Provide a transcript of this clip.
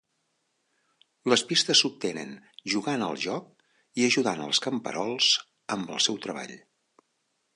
Les pistes s'obtenen jugant al joc i ajudant els camperols amb el seu treball.